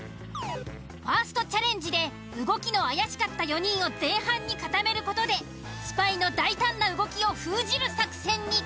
ファーストチャレンジで動きの怪しかった４人を前半に固める事でスパイの大胆な動きを封じる作戦に。